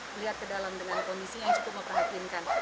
melihat ke dalam dengan kondisi yang cukup memperhatinkan